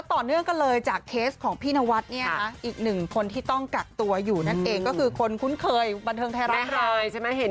ต่อเนื่องกันเลยจากเคสของพี่นวัดเนี่ยนะอีกหนึ่งคนที่ต้องกักตัวอยู่นั่นเองก็คือคนคุ้นเคยบันเทิงไทยรัฐเรา